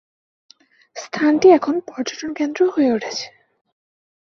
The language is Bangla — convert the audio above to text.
স্থানটি এখন পর্যটন কেন্দ্র হয়ে উঠেছে!